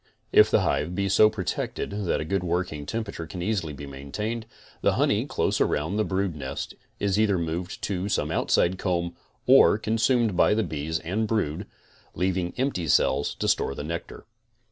If the hive be so pro tected that a good working temperature can easily be maintained, the honey close around the brood nest is either moved to some outside comb, or consumed by the bees and brood, leaving empty cells to store the nectar.